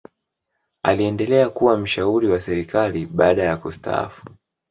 aliendelea kuwa mshauli wa serikali baada ya kustaafu